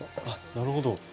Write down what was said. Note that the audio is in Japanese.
あっなるほど。